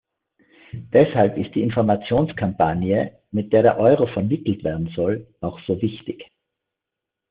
Deshalb ist die Informationskampagne, mit der der Euro vermittelt werden soll, auch so wichtig.